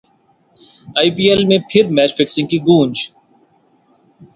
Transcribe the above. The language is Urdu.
ائی پی ایل میں پھر میچ فکسنگ کی گونج